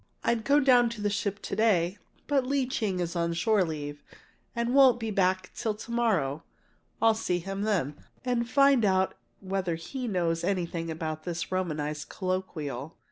I'd go down to the ship to day, but Lee Ching is on shore leave, and won't be back till to morrow. I'll see him then, and find out whether he knows anything about this Romanized Colloquial.